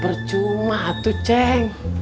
bercuma atuh ceng